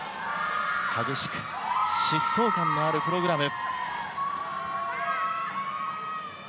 激しく、疾走感のあるプログラム。